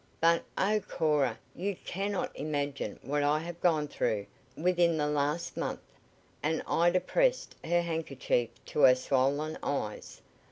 But oh, Cora, you cannot imagine what I have gone through with in the last month!" and Ida pressed her handkerchief to her swollen eyes.